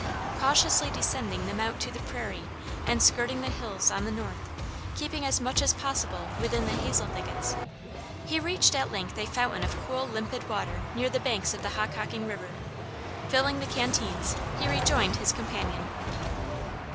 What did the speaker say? Cautiously descending the mount to the prairie, and skirting the hills on the north, keeping as much as possible within the hazel thickets, he reached at length a fountain of cool limpid water near the banks of the Hockhocking river. Filling the canteens he rejoined his companion.